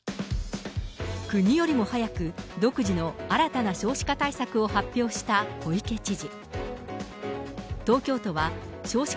国よりも早く、独自の新たな少子化対策を発表した小池知事。